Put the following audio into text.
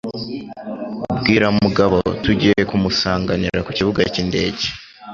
Bwira Mugabo tugiye kumusanganira kukibuga cyindege.